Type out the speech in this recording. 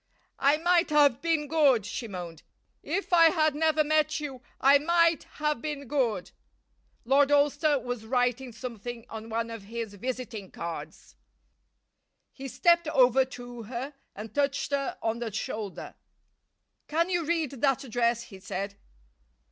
"I might have been good," she moaned. "If I had never met you I might have been good." Lord Alcester was writing something on one of his visiting cards. He stepped over to her and touched her on the shoulder. "Can you read that address?" he said.